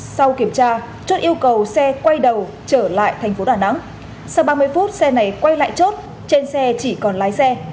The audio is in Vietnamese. sau kiểm tra chuột yêu cầu xe quay đầu trở lại thành phố đà nẵng sau ba mươi phút xe này quay lại chốt trên xe chỉ còn lái xe